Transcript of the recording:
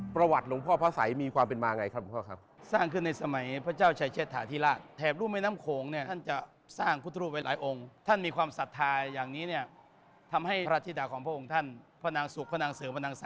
ประวัติลงพ่อพระสัยมีความเป็นมาอย่างไรครับ